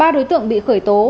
ba đối tượng bị khởi tố